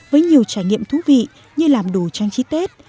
với nhiều trải nghiệm thú vị như làm đồ trang trí tự nhiên